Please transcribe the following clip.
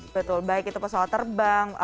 betul baik itu pesawat terbang